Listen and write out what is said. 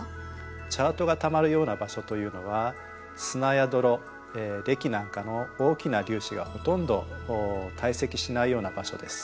チャートがたまるような場所というのは砂や泥れきなんかの大きな粒子がほとんど堆積しないような場所です。